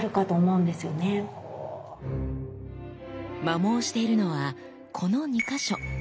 摩耗しているのはこの２か所。